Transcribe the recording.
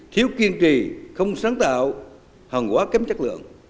thiếu kiên trì không sáng tạo hàng hóa kém chất lượng